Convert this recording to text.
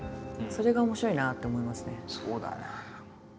それが面白いなって思いますね。